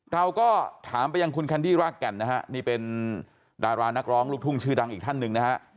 เราก็ถามไปยังคุณแคนดี้รากแก่นนะฮะนี่เป็นดารานักร้องลูกทุ่งชื่อดังอีกท่านหนึ่งนะฮะ